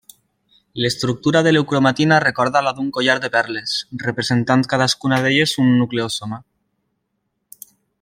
L'estructura de l'eucromatina recorda la d'un collar de perles, representant cadascuna d'elles un nucleosoma.